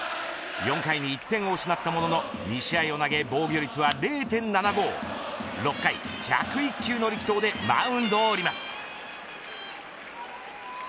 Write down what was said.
４回に一点を失ったものの２試合を投げ防御率は０．７５６回１０１球の力投でマウンドを降ります。